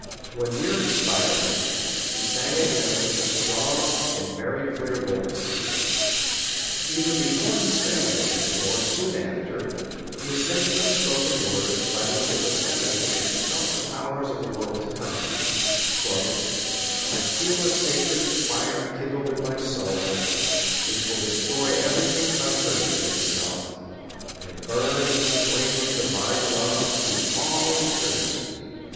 When near expiring, he sang a hymn with a strong and very clear voice. Either before he sang the hymn, or soon after, he is said to have spoken words, by which it was evident that he felt the powers of the world to come :—" I feel a sacred fire kindled in my soul, which will destroy every thing contrary to itself, and burn as a flame of divine love to all eternity."